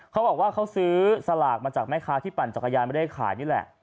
เขาบอกว่าเขาซื้อสลากมาจากแม่ค้าที่ปั่นจักรยานไม่ได้ขายนี่แหละ